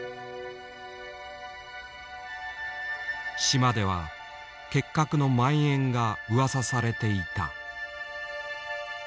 島では結核のまん延がうわさされていた。